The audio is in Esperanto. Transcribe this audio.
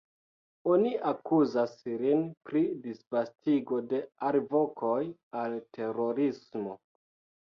Oni akuzas lin pri disvastigo de “alvokoj al terorismo”.